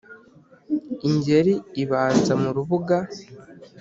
Ingeri ibanza mu rubuga